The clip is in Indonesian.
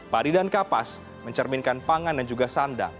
padi dan kapas mencerminkan pangan dan juga sandang